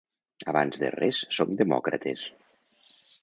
Abans de res som demòcrates.